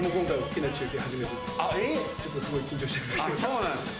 そうなんですか？